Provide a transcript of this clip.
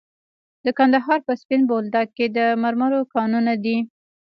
د کندهار په سپین بولدک کې د مرمرو کانونه دي.